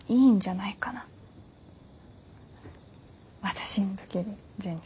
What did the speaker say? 私の時より全然。